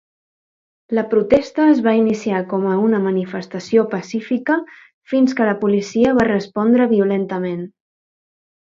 La protesta es va iniciar com a una manifestació pacífica fins que la policia va respondre violentament.